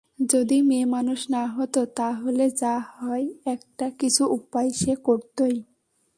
যদি মেয়েমানুষ না হত তা হলে যা হয় একটা কিছু উপায় সে করতই।